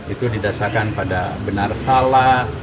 itu didasarkan pada benar salah